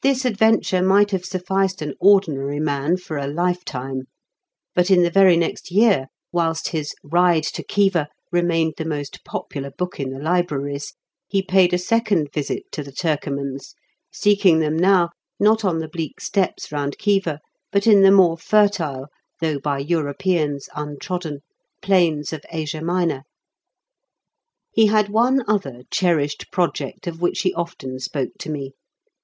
This adventure might have sufficed an ordinary man for a lifetime. But in the very next year, whilst his Ride to Khiva remained the most popular book in the libraries, he paid a second visit to the Turcomans, seeking them now, not on the bleak steppes round Khiva, but in the more fertile, though by Europeans untrodden, plains of Asia Minor. He had one other cherished project of which he often spoke to me.